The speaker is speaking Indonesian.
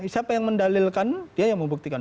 siapa yang mendalilkan dia yang membuktikan